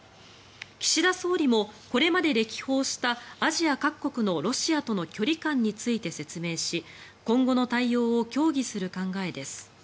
岸田総理もこれまで歴訪したアジア各国のロシアとの距離感について説明し今後の対応を協議する考えです。